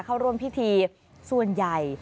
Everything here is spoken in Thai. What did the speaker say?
เข้าร่วมพิธีส่วนใหญ่